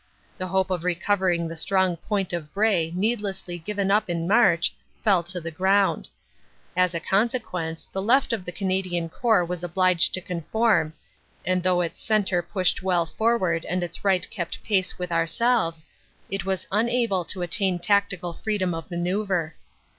The hope of recovering the strong point of Bray needlessly given up in March fell to the ground. As a consequence the left of the Australian Corps was obliged to conform, and though its centre pushed well forward and its right kept pace with our selves, it was unable to attain tactical freedom of manoeuvre.